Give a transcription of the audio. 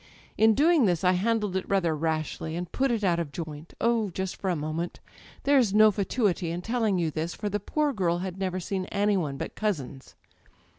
In doing this I handled it rather rashly, and put it out of joint â€" oh, just for a moment! There's no fatuity in telling you this, for the poor girl had never seen any one but cousins